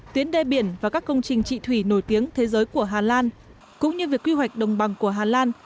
tuyến đê biển và các công trình trị thủy nổi tiếng thế giới của hà lan cũng như việc quy hoạch đồng bằng của hà lan